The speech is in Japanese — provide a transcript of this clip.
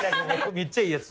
めっちゃいいやつ。